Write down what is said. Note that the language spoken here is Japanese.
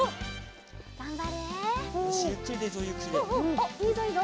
おっいいぞいいぞ